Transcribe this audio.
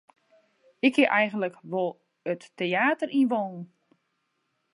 Ik hie eigentlik wol it teäter yn wollen.